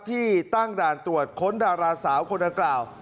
ที่ตั้งด่านตรวจค้นดาราสาวคนดังกล่าว